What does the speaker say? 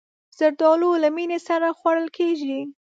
زردالو له مینې سره خوړل کېږي.